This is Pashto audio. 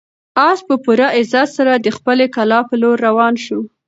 آس په پوره عزت سره د خپلې کلا په لور روان شو.